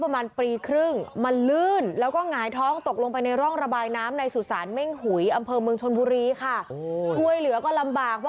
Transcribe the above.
มันตกไปยังไงตกลงไปในร่องอ่ะอืม